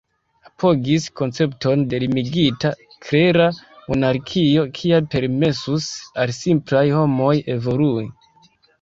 Apogis koncepton de limigita, klera monarkio, kia permesus al simplaj homoj evolui.